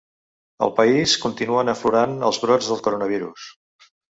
Al país, continuen aflorant els brots del coronavirus.